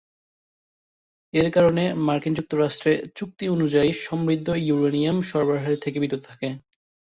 এর কারণে মার্কিন যুক্তরাষ্ট্রে চুক্তি অনুযায়ী সমৃদ্ধ ইউরেনিয়াম সরবরাহের থেকে বিরত থাকে।